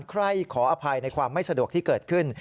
ใครขออภัยในความไม่สะดวกที่เกิดขึ้น